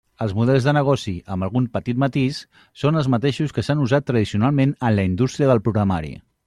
Els models de negoci, amb algun petit matís, són els mateixos que s'han usat tradicionalment en la indústria del programari.